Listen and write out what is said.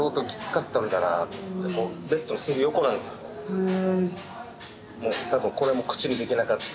へえ。